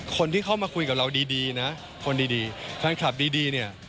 คนที่เข้ามาคุยกับเราดีดีนะคนดีดีแฟนคลับดีดีเนี่ย